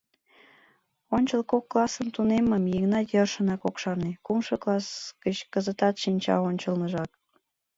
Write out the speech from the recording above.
Ончыл кок классым тунеммым Йыгнат йӧршынак ок шарне, кумшо класс гыч — кызытат шинча ончылныжак.